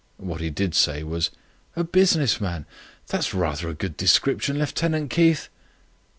What he did say was: "A business man? That's rather a general description, Lieutenant Keith."